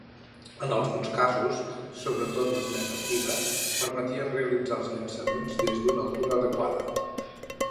En alguns casos, sobretot les més antigues, permetien realitzar els llançaments des d'una altura adequada.